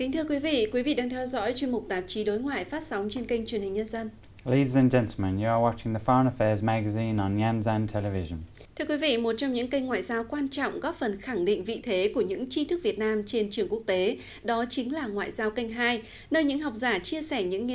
thưa quý vị quý vị đang theo dõi chuyên mục tạp chí đối ngoại phát sóng trên kênh truyền hình nhân dân